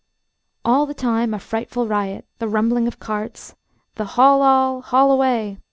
All the time a frightful riot, the rumbling of carts, the "Haul all, haul away!"